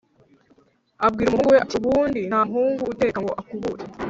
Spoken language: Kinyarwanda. abwira umuhungu we ati: “Ubundi nta muhungu uteka ngo akubure.